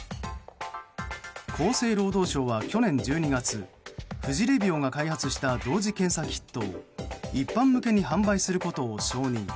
厚生労働省は去年１２月富士レビオが開発した同時検査キットを一般向けに販売することを承認。